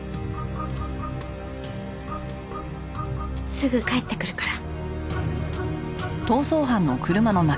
すぐ帰ってくるから。